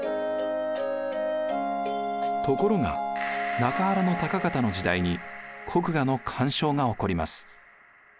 ところが中原高方の時代に国衙の干渉が起こります。